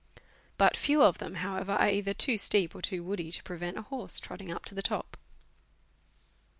But few of them, however, are either too steep or too woody to prevent a horse trotting up to the top.